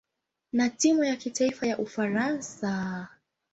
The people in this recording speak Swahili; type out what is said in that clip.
na timu ya kitaifa ya Ufaransa.